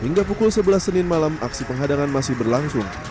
hingga pukul sebelas senin malam aksi penghadangan masih berlangsung